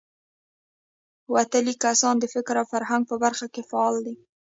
وتلي کسان د فکر او فرهنګ په برخه کې فعال دي.